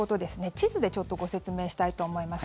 地図でちょっとご説明したいと思います。